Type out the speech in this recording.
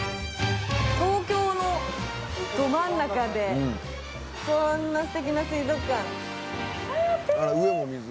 東京のど真ん中でこんな素敵な水族館。